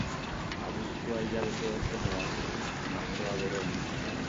Abuztua hilabete hotzena da, martxoa beroena.